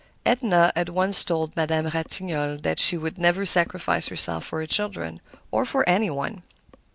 Edna had once told Madame Ratignolle that she would never sacrifice herself for her children, or for any one.